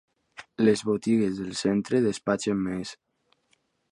Les botigues del centre despatxen més.